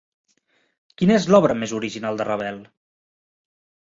Quina és l'obra més original de Ravel?